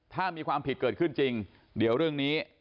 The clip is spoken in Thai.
ถ้ามีความผิดเกิดขึ้นจริงเดี๋ยวเรื่องนี้